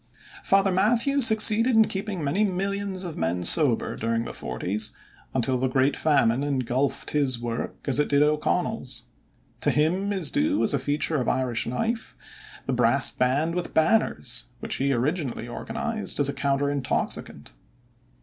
Father Mathew succeeded in keeping many millions of men sober during the forties until the great Famine engulfed his work as it did O'Connell's. To him is due, as a feature of Irish life, the brass band with banners, which he originally organized as a counter intoxicant.